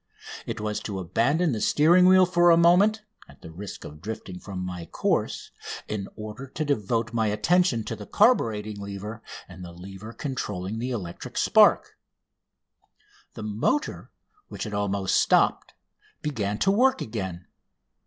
It was to abandon the steering wheel for a moment, at the risk of drifting from my course, in order to devote my attention to the carburating lever and the lever controlling the electric spark. The motor, which had almost stopped, began to work again.